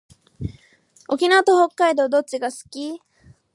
沖縄と北海道どっちが好き？